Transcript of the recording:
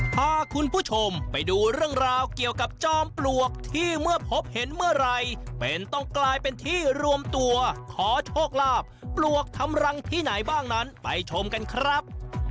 พาคุณผู้ชมไปดูเรื่องราวเกี่ยวกับจอมปลวกที่เมื่อพบเห็นเมื่อไหร่เป็นต้องกลายเป็นที่รวมตัวขอโชคลาภปลวกทำรังที่ไหนบ้างนั้นไปชมกันครับ